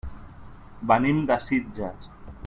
Venim de Sitges.